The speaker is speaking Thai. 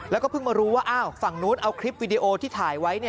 แล้วก็เพิ่งมารู้ว่าฝั่งนู้นเอาคลิปวิดีโอที่ถ่ายไว้